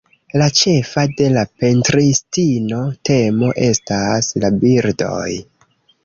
La ĉefa de la pentristino temo estas la birdoj.